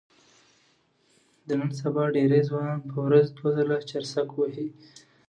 د نن سبا ډېری ځوانان په ورځ دوه ځله چرسک وهي.